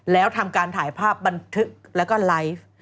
แล้วทำการถ่ายภาพบันทึกแล้วก็ไลฟ์